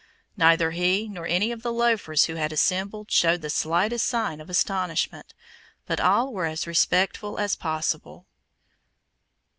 Neither he nor any of the loafers who had assembled showed the slightest sign of astonishment, but all were as respectful as possible.